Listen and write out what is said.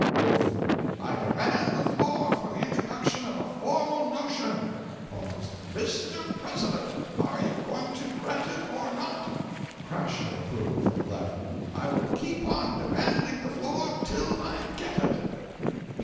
Wolf. 'I demand the floor for the introduction of a formal notion. Mr. President, are you going to grant it, or not? (Crash of approval from the Left.) I will keep on demanding the floor till I get it.'